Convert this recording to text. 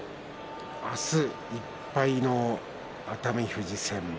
明日、１敗の熱海富士戦。